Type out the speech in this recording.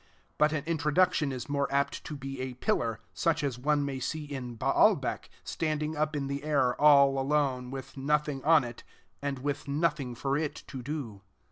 But an Introduction is more apt to be a pillar, such as one may see in Baalbec, standing up in the air all alone, with nothing on it, and with nothing for it to do.